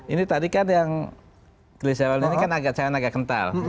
ini tadi kan yang glisewell ini kan agak kental